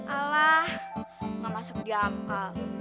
alah gak masuk di akal